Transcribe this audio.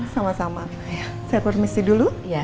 saya permisi dulu